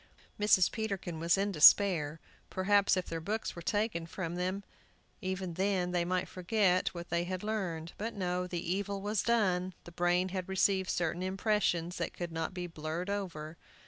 Mrs. Peterkin was in despair. Perhaps, if their books were taken from them even then, they might forget what they had learned. But no, the evil was done; the brain had received certain impressions that could not be blurred over.